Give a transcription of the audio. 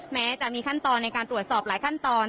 แม้จะมีขั้นตอนในการตรวจสอบหลายขั้นตอน